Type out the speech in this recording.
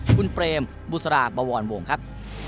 คุณเปรมบุษราบวรวงครับ